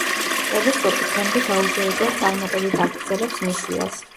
ტელესკოპი დღემდე დაუჯერებლად წარმატებით აგრძელებს მისიას.